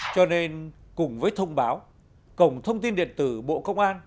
cho nên cùng với thông báo cổng thông tin điện tử bộ công an